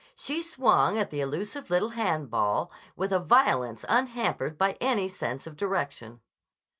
She swung at the elusive little hand ball with a violence unhampered by any sense of direction.